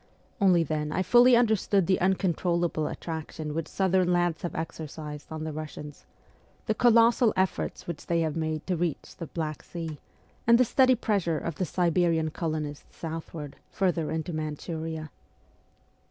Only then I fully understood the uncon trollable attraction which southern lands have exercised on the Russians, the colossal efforts which they have made to reach the Black Sea, and the steady pressure of the Siberian colonists southward, further into Manchuria.